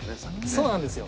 そうなんですよ。